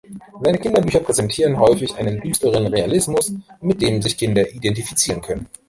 Seine Kinderbücher präsentieren häufig einen düsteren Realismus, mit dem sich Kinder identifizieren können.